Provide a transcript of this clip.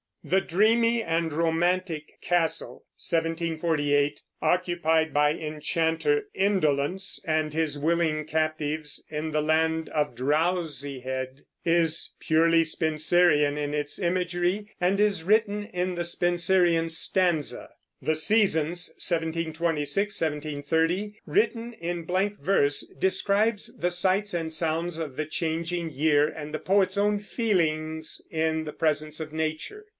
The dreamy and romantic Castle (1748), occupied by enchanter Indolence and his willing captives in the land of Drowsyhed, is purely Spenserian in its imagery, and is written in the Spenserian stanza. The Seasons (1726 1730), written in blank verse, describes the sights and sounds of the changing year and the poet's own feelings in the presence of nature.